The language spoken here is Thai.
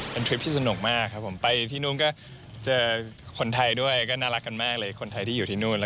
เป็นทริปที่สนุกมากครับผมไปที่นุมก็เจอคนไทยด้วยก็น่ารักกันมากเลย